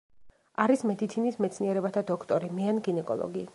არის მედიცინის მეცნიერებათა დოქტორი, მეან-გინეკოლოგი.